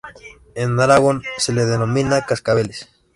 En Aragón se le denomina cascabeles.